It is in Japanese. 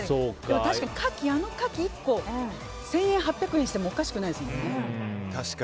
確かにあのカキ１個１８００円してもおかしくないですもんね。